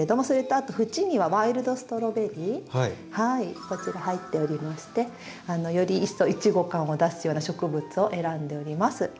それとあと縁にはワイルドストロベリーこちら入っておりましてより一層イチゴ感を出すような植物を選んでおります。